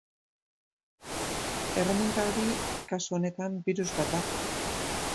Erreminta hori, kasu honetan, birus bat da.